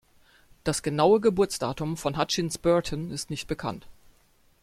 Das genaue Geburtsdatum von Hutchins Burton ist nicht bekannt.